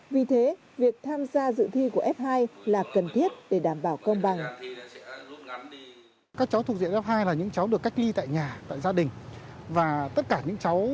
vì thế việc tham gia dự thi của f hai là cần thiết để đảm bảo công bằng